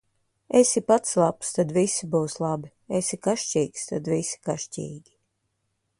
Esi pats labs, tad visi būs labi; esi kašķīgs, tad visi kašķīgi.